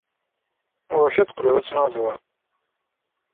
Ɣur-k ad teqqled ad tennaled wa.